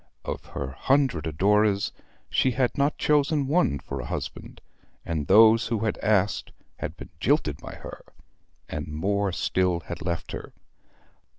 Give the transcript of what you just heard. Of her hundred adorers she had not chosen one for a husband; and those who had asked had been jilted by her; and more still had left her.